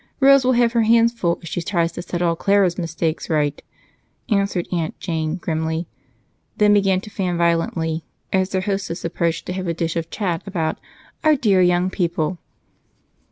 Rose will have her hands full if she tries to set all Clara's mistakes right," answered Aunt Jane grimly, then began to fan violently as their hostess approached to have a dish of chat about "our dear young people."